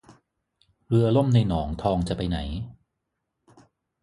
เรือล่มในหนองทองจะไปไหน